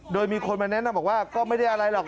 โดยมีคนมาแนะนำบอกว่าก็ไม่ได้อะไรหรอก